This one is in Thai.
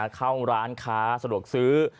เข้าร้านค้าสะดวกซื้อ